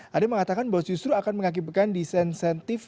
ada yang mengatakan bahwa justru akan mengakibatkan disinsentif